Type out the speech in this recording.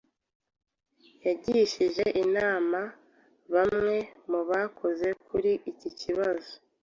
Yagishije inama bamwe mu bakozi kuri iki kibazo.